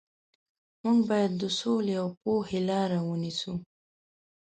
موږ باید د سولې او پوهې لارې ونیسو.